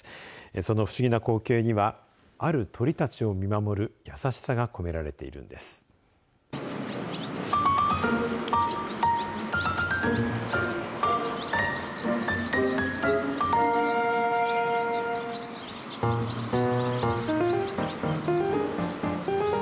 その不思議な光景にはある鳥たちを見守る優しさが込められているんです。